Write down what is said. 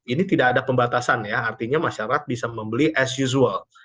ini tidak ada pembatasan ya artinya masyarakat bisa membeli as usual